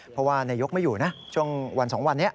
เพราะว่านายยกรัฐมนตรีไม่อยู่นะช่วงวัน๒วันนี้